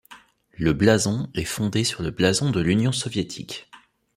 Le blason est fondé sur le blason de l'Union soviétique.